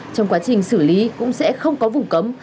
trong quá trình xử lý cũng sẽ không có vùng cấm